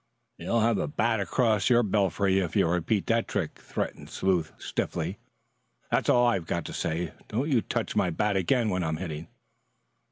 "You'll have a bat across your belfry if you repeat that trick," threatened Sleuth stiffly. "That's all I've got to say. Don't you touch my bat again when I'm hitting."